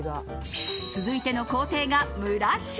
続いての工程が蒸らし。